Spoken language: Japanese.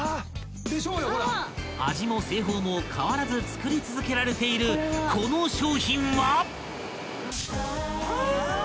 ［味も製法も変わらず作り続けられているこの商品は？］